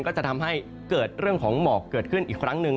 ก็จะทำให้เกิดเรื่องของหมอกเกิดขึ้นอีกครั้งหนึ่ง